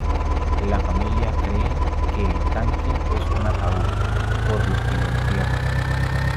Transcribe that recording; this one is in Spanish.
La familia cree que el tanque es un ataúd, por lo que lo entierran.